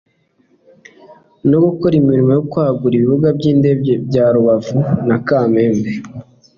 no gukora imirimo yo kwagura ibibuga by'indege bya rubavu na kamembe